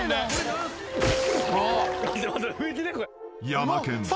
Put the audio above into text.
［ヤマケン。